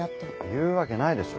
言うわけないでしょ。